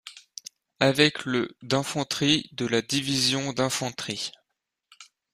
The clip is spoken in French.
Avec le d'infanterie de la Division d'infanterie.